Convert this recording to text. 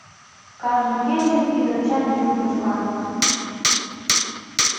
Кажне кечын кӱдырчан йӱр почка.